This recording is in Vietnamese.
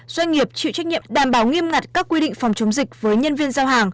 doanh nghiệp chịu trách nhiệm đảm bảo nghiêm ngặt các quy định phòng chống dịch với nhân viên giao hàng